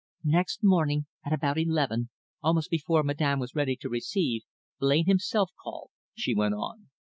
"Next morning, at about eleven, almost before Madame was ready to receive, Blain himself called," she went on.